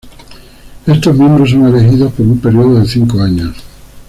Estos miembros son elegidos por un período de cinco años.